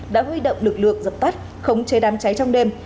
đã huy động lực lượng dập tắt khống chế đám cháy trong đêm